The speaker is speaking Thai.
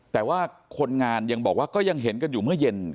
แต่ว่าคนงานยังบอกว่าก็ยังเห็นกันอยู่เมื่อเย็น